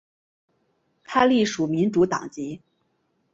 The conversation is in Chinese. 他隶属民主党籍。